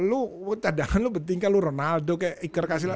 lo cadangan lo pentingkah lo ronaldo kayak iker casillas